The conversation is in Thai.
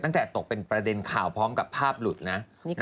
ตั้งแต่ตกเป็นประเด็นข่าวพร้อมกับภาพหลุดนะ